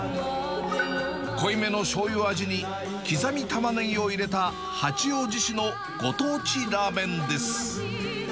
濃い目のしょうゆ味に刻みたまねぎを入れた八王子市のご当地ラーメンです。